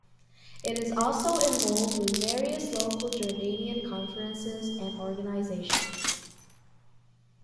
It is also involved with various local Jordanian conferences and organizations.